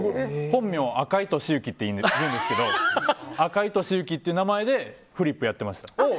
本名、赤井俊之っていうんですけど赤井俊之っていう名前でフリップやってました。